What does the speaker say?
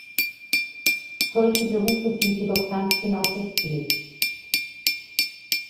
Solche Berufe sind jedoch ganz genau festgelegt.